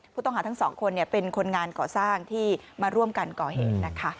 ผู้ต้องหาทั้งสองคนเป็นคนงานก่อสร้างที่มาร่วมกันก่อเหตุนะคะ